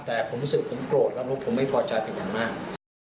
แต่ผมรู้สึกผมโกรธแล้วลูกผมไม่พอใจเป็นอย่างมาก